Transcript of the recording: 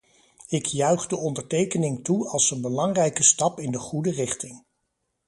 Ik juich de ondertekening toe als een belangrijke stap in de goede richting.